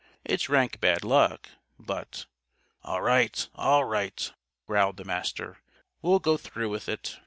It's rank bad luck, but " "All right! All right!" growled the Master. "We'll go through with it.